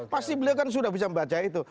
pasti beliau kan sudah bisa membaca itu